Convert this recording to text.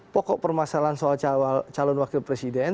pokok permasalahan soal calon wakil presiden